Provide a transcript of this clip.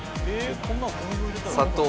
砂糖。